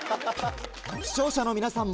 視聴者の皆さんも。